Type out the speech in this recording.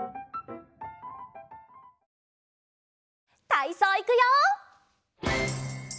たいそういくよ！